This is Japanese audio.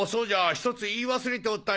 ひとつ言い忘れておったよ！